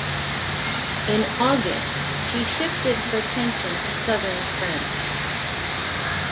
In August, she shifted her attention to southern France.